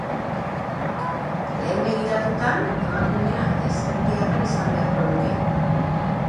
Lehen begiratutan, emakumea eta ezkertiarra izan beharko luke.